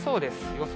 予想